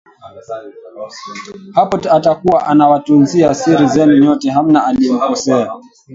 Hapo atakuwa anawatunzia siri zenu nyote hamna aliyemkosea